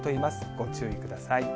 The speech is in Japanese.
ご注意ください。